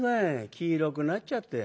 黄色くなっちゃって。